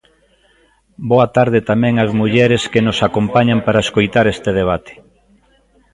Boa tarde tamén ás mulleres que nos acompañan para escoitar este debate.